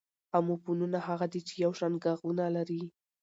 اموفونونه هغه دي، چي یو شان ږغونه لري.